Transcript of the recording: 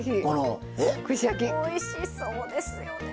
おいしそうですよね。